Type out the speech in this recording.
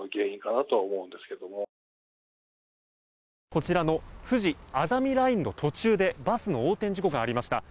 こちらのふじあざみラインの途中でバスの横転事故がありました。